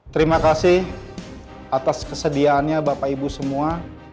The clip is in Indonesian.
terima kasih atas kesediaannya bapak ibu semua